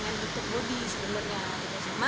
memotivasi juga benarnya aku pengen youtube body sebenernya